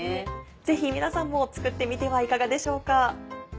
ぜひ皆さんも作ってみてはいかがでしょうか。